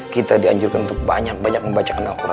kita dianjurkan untuk banyak banyak membacakan al quran